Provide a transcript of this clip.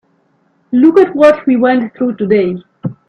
Look at what we went through today.